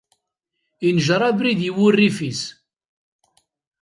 Injer abrid i wurrif-is.